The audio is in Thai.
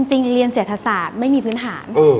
จริงเรียนเศรษฐศาสตร์ไม่มีพื้นฐาน